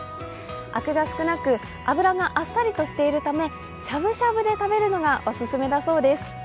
アクが少なく、脂があっさりとしているため、しゃぶしゃぶで食べるのがおすすめだそうです。